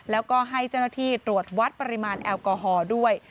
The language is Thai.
แล้วก็ให้เจ้าหน้าที่ตรวจวัดปริมาณแอลกอฮอล์ด้วย